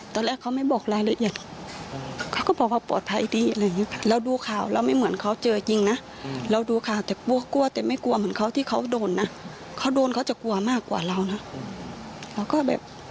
สงสารที่ทหารพังไปเลยเข้าไปช่วยเขาก็ส่งคลิปมาให้ดูตอนหลบ